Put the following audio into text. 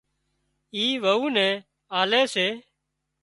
اي وئو نين آلي سي